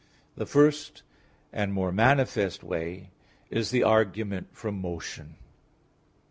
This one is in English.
The first and more manifest way is the argument from motion.